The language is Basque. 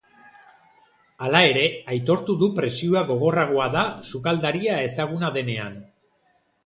Hala ere, aitortu du presioa gogorragoa da sukaldaria ezaguna denean.